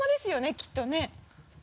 きっとねぇ。